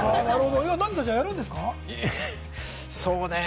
何かやるんですか？